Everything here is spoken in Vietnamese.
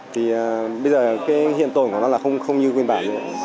thì bây giờ cái hiện tượng của nó là không như quyền bản nữa